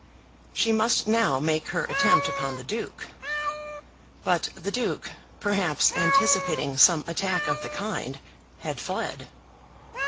She must now make her attempt upon the Duke. But the Duke, perhaps anticipating some attack of the kind, had fled.